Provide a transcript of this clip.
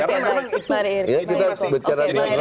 ini kita bicara dengan lain